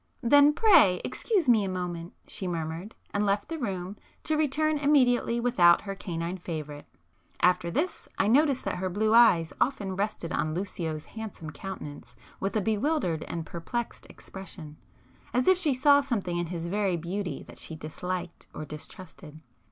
"Then pray excuse me a moment!" she murmured, and left the room, to return immediately without her canine favorite. After this I noticed that her blue eyes often rested on Lucio's handsome countenance with a bewildered and perplexed expression, as if she saw something in his very beauty that she disliked or distrusted.